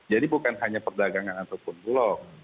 jadi bukan hanya perdagangan ataupun bulog